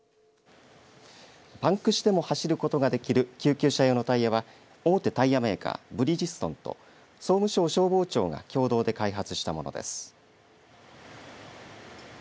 パンクしても走ることができる救急車用のタイヤは大手タイヤメーカーブリヂストンと総務省消防庁が共同で開発したものです。